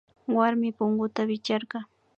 Warmi punguta wichkarka